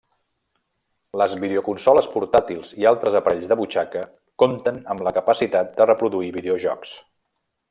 Les videoconsoles portàtils i altres aparells de butxaca compten amb la capacitat per reproduir videojocs.